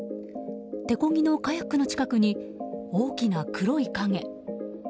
手こぎのカヤックの近くに大きな黒い影。